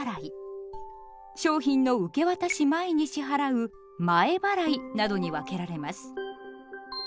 商品の受け渡し前に支払う「前払い」などに分けられます。